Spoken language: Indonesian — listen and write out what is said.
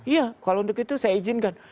iya kalau untuk itu saya izinkan